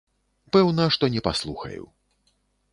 Пэўна, што не паслухаю.